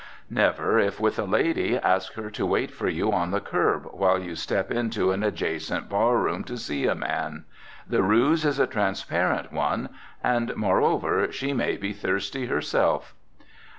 Never, if with a lady, ask her to wait for you on the curb while you step into an adjacent bar room to see a man. The ruse is a transparent one, and, moreover, she may be thirsty herself.